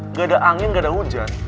gak ada angin gak ada hujan